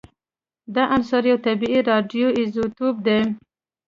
دا عنصر یو طبیعي راډیو ایزوتوپ دی